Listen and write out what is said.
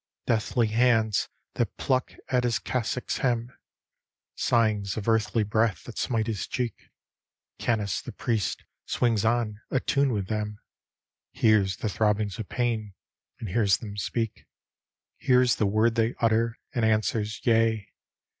Deathly hands that pluck at his cassock's hem ; Sighings of earthly breath that smite his cheek; Canice the priest swings on, atune with them, Hears the throbbings of pain, and hears them speak; Hears the word they utter, and answers "Yea!